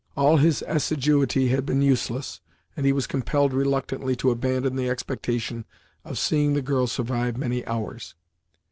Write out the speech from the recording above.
All his assiduity had been useless, and he was compelled reluctantly to abandon the expectation of seeing the girl survive many hours.